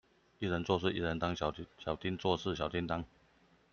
一人做事一人當，小叮做事小叮噹